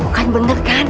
bukan bener kan